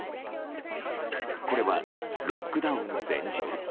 これはロックダウン前日。